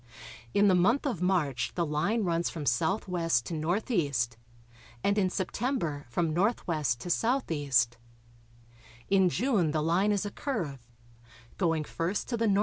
In the month of March the line runs from S.W. to N.E., and in September from N.W. to S.E. In June the line is a curve, going first to the N.E.